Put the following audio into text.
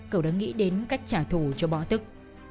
cửu đã nghĩ đến cách trả thù cho bỏ tức